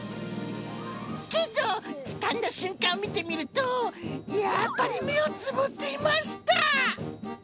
けど、つかんだ瞬間を見てみると、やっぱり目をつぶっていました。